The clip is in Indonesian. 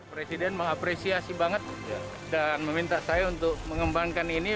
presiden mengapresiasi banget dan meminta saya untuk mengembangkan ini